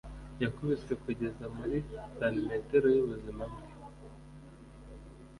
Yakubiswe kugeza muri santimetero y'ubuzima bwe.